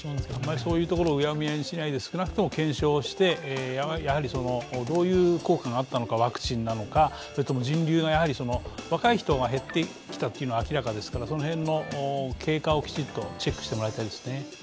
そういうところをうやむやにしないで、検証をしてやはりどういう効果があったのか、ワクチンなのか、それとも人流が若い人が減ってきたのは明らかですから、その辺の経過をきちっとチェックして欲しいです。